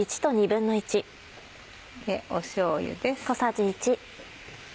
しょうゆです。